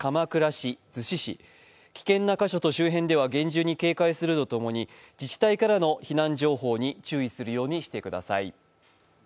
危険な箇所と周辺では厳重に警戒するとともに自治体からの避難情報に注意するようにしてください。